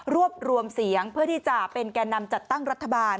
รวบรวมเสียงเพื่อที่จะเป็นแก่นำจัดตั้งรัฐบาล